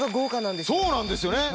そうなんですよね！